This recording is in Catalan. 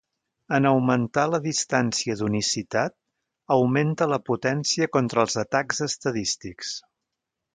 En augmentar la distància d'unicitat, augmenta la potència contra els atacs estadístics.